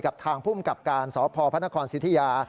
กับทางภูมิกับการสพพศิษยา